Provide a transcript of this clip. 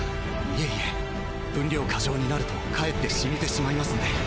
いえいえ分量過剰になるとかえってしみてしまいますんで。